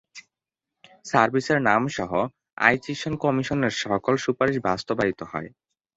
সার্ভিসের নামসহ আইচিসন কমিশনের সকল সুপারিশ বাস্তবায়িত হয়।